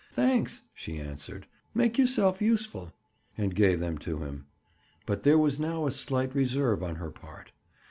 "Thanks," she answered. "Make yourself useful." And gave them to him. But there was now a slight reserve on her part.